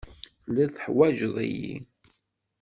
Telliḍ teḥwajeḍ-iyi.